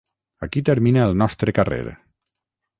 Aquí termina el nostre carrer.